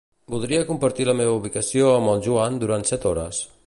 Voldria compartir la meva ubicació amb el Joan durant set hores.